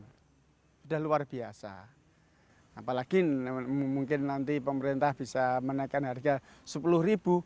sudah luar biasa apalagi mungkin nanti pemerintah bisa menaikkan harga rp sepuluh